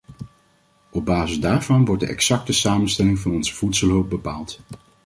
Op basis daarvan wordt de exacte samenstelling van onze voedselhulp bepaald.